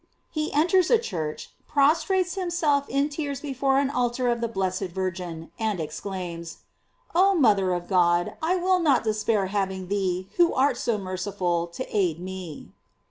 He enters a church, prostrates him self in tears before an altar of the blessed Vir gin, and exclaims: <kOh mother of God, I will not despair having thee, who art FO merciful, to aid me."